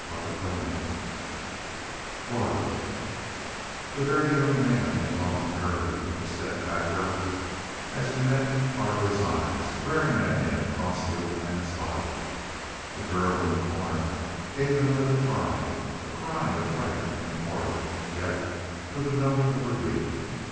CHAPTER XXVII AURA The Very Young Man involuntarily took a step backward as he met Targo's eyes, glaring at him across the old man's body. The girl in the corner gave another cry a cry of fright and horror, yet with a note of relief.